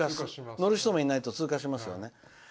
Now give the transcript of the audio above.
乗る人もいないと通過しますよね。